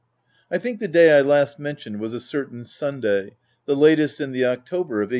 I think the day I last mentioned, was a certain Sunday, the latest in the October of 182?.